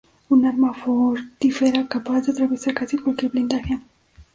Un arma mortífera capaz de atravesar casi cualquier blindaje.